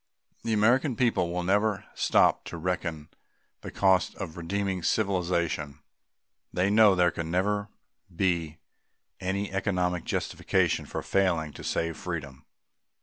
The American people will never stop to reckon the cost of redeeming civilization. They know there can never be any economic justification for failing to save freedom.